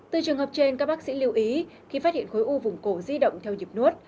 từ trường hợp trên các bác sĩ lưu ý khi phát hiện khối u vùng cổ di động theo nhịp nuốt